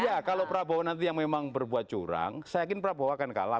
iya kalau prabowo nanti yang memang berbuat curang saya yakin prabowo akan kalah